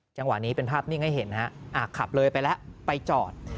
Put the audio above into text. จังหวะนี้เป็นภาพนิ่งให้เห็นฮะขับเลยไปแล้วไปจอด